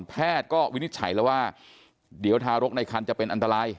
แพทย์ก็วินิจฉัยแล้วว่าเดี๋ยวทารกในคันจะเป็นอันตราย